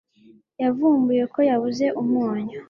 Yavumbuye ko yabuze umunyu.